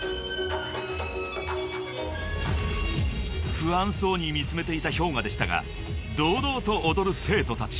［不安そうに見つめていたＨｙＯｇＡでしたが堂々と踊る生徒たち。